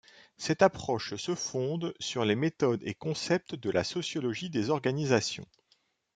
Cette approche se fonde sur les méthodes et concepts de la sociologie des organisations.